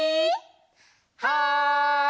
はい！